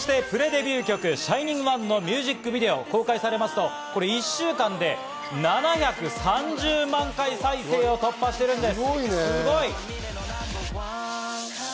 そしてプレデビュー曲『ＳｈｉｎｉｎｇＯｎｅ』のミュージックビデオが公開されますと、１週間で７３０万回再生を突破しているんです。